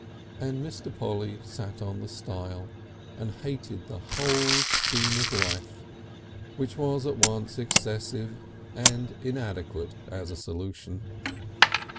And Mr. Polly sat on the stile and hated the whole scheme of life which was at once excessive and inadequate as a solution.